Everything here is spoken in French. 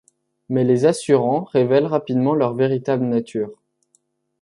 Mais les Asurans révèlent rapidement leur véritable nature.